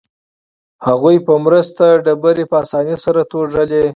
هغوی په مرسته یې ډبرې په اسانۍ سره توږلې.